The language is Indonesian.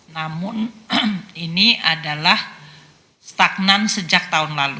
namun ini adalah stagnan sejak tahun lalu